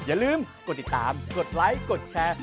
อย่าลืมกดติดตามกดไลค์กดแชร์